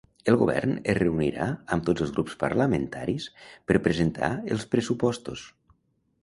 El govern es reunirà amb tots els grups parlamentaris per presentar els pressupostos.